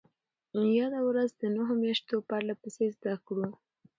ياده ورځ د نهو مياشتو پرلهپسې زدهکړو